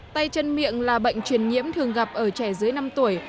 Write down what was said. tay chân miệng là bệnh truyền nhiễm thường gặp ở trẻ dưới năm tuổi